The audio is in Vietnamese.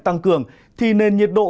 tăng cường thì nền nhiệt độ